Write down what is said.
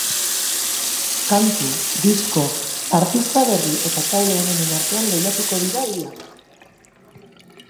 Kantu, disko, artista berri eta talde onenen artean lehiatuko dira biak.